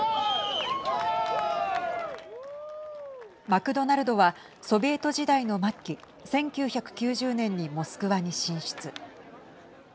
マクドナルドはソビエト時代の末期１９９０年にモスクワに進出。